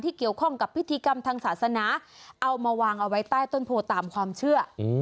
เกี่ยวข้องกับพิธีกรรมทางศาสนาเอามาวางเอาไว้ใต้ต้นโพตามความเชื่อ